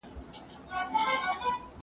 سبزېجات د مور له خوا تيار کيږي!!